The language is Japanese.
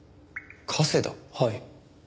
はい。